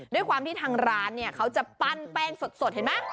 ด้วยความที่ทางร้านเนี่ยเขาจะปั้นแป้งสดเห็นไหม